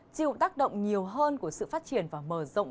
chịu tác động nhiều hơn của sự phát triển và mở rộng